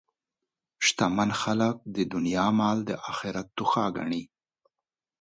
شتمن خلک د دنیا مال د آخرت توښه ګڼي.